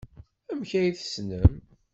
Amek ay t-tessnem?